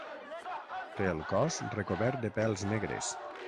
Té el cos recobert de pèls negres.